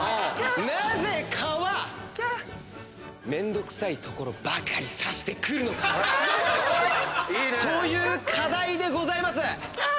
なぜ蚊はめんどくさい所ばかり刺してくるのかという課題でございます。